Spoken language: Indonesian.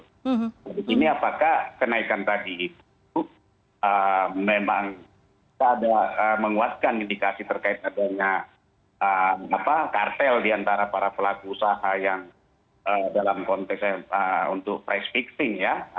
jadi ini apakah kenaikan tadi itu memang menguaskan indikasi terkait adanya kartel diantara para pelaku usaha yang dalam konteks untuk price fixing ya